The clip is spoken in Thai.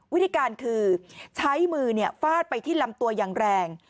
วิธีการคือใช้มือฟาดไปที่ลำตัวอย่างแรง